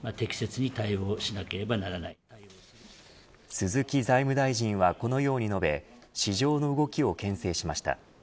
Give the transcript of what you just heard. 鈴木財務大臣はこのように述べ市場の動きをけん制しました。